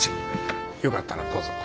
よかったらどうぞ。